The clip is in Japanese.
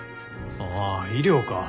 ああ医療か。